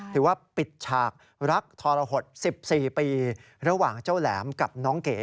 ถือว่าปิดฉากรักทรหด๑๔ปีระหว่างเจ้าแหลมกับน้องเก๋